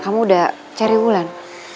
kamu udah cari wulan